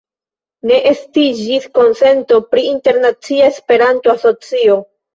Ne estiĝis konsento pri internacia Esperanto-asocio.